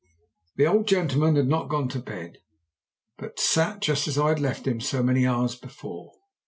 The old gentleman had not gone to bed, but sat just as I had left him so many hours before.